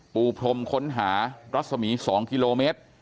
ปูพรมค้นหารัศมี๒กิโลเมตร